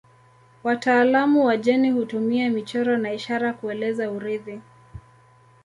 Wataalamu wa jeni hutumia michoro na ishara kueleza urithi.